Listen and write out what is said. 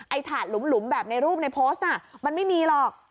ถาดหลุมแบบในรูปในโพสต์น่ะมันไม่มีหรอก